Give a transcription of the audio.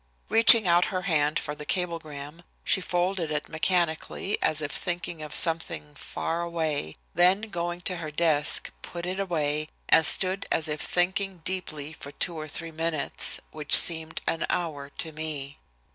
Reaching out her hand for the cablegram, she folded it mechanically, as if thinking of something far away, then going to her desk, put it away, and stood as if thinking deeply for two or three minutes, which seemed an hour to me.